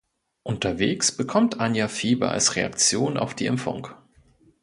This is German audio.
Unterwegs bekommt Anja Fieber als Reaktion auf die Impfung.